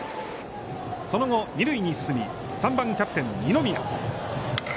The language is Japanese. その後、二塁に進み３番キャプテン二宮。